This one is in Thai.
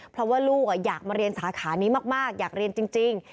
เพราะว่าลูกอยากมาเรียนสาขานี้มากอยากเรียนจริง